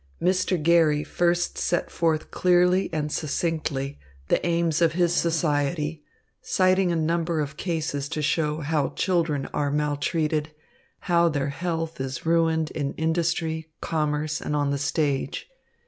Mr. Garry first set forth clearly and succinctly the aims of his society, citing a number of cases to show how children are maltreated, how their health is ruined in industry, commerce and on the stage.